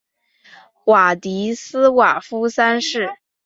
瓦迪斯瓦夫三世。